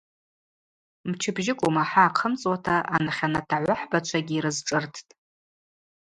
Мчыбжьыкӏума ахӏа ахъымцӏуата анахьанат агӏвахӏбачвагьи йрызшӏырттӏ.